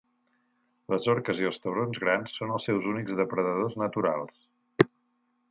Les orques i els taurons grans són els seus únics depredadors naturals.